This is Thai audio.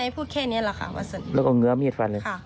พูดแค่เนี้ยแหละค่ะแล้วก็เอาเนื้อมีดฟันเลยค่ะ